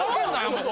もう！